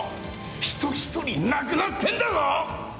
人１人亡くなってんだぞ！